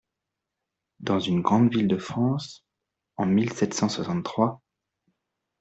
Dans une grande ville de France, en mille sept cent soixante-trois.